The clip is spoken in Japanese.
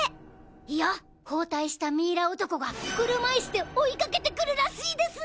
いや包帯したミイラ男が車イスで追いかけてくるらしいです！